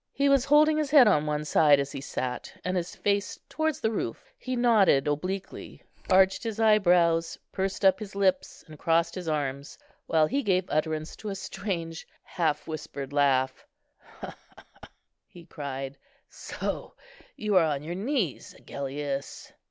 He was holding his head on one side as he sat, and his face towards the roof; he nodded obliquely, arched his eyebrows, pursed up his lips, and crossed his arms, while he gave utterance to a strange, half whispered laugh. "He, he, he!" he cried; "so you are on your knees, Agellius."